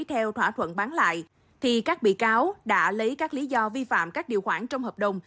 theo thỏa thuận bán lại thì các bị cáo đã lấy các lý do vi phạm các điều khoản trong hợp đồng